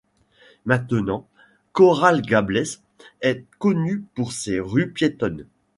Maintenant, Coral Gables est connu pour ses rues piétonnes.